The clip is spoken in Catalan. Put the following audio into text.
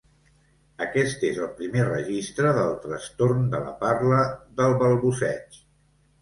Aquest és el primer registre del trastorn de la parla del balbuceig.